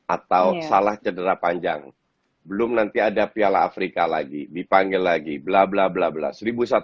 atau salah cedera panjang belum nanti ada piala afrika lagi dipanggil lagi bla bla bla bla